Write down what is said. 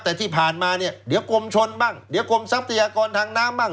แต่ที่ผ่านมาเนี่ยเดี๋ยวกรมชนบ้างเดี๋ยวกรมทรัพยากรทางน้ำบ้าง